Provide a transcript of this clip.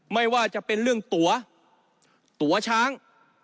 ไม่ว่าจะเป็นเรื่องตัวตั๋วช้าง